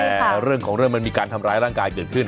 แต่เรื่องของเรื่องมันมีการทำร้ายร่างกายเกิดขึ้น